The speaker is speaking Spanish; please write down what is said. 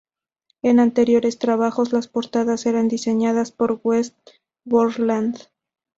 En anteriores trabajos, las portadas eran diseñadas por Wes Borland.